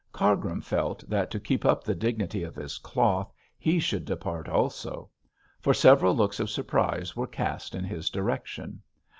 Cargrim felt that to keep up the dignity of his cloth he should depart also; for several looks of surprise were cast in his direction.